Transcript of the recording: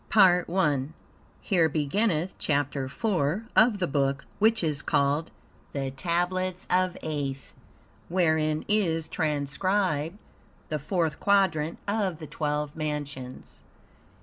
PART 1 Here beginneth Chapter 4 of the Book which is called "The Tablets of Aeth," wherein is transcribed the Fourth Quadrant of the Twelve Mansions.